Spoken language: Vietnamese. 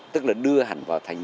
tức là đưa hẳn vào thành viên